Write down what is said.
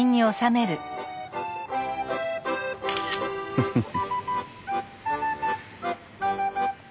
フフフ。